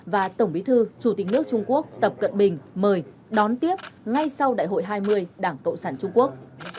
và tổng bí thư chủ tịch nước trung quốc tập cận bình mời đón tiếp ngay sau đại hội hai mươi đảng cộng sản trung quốc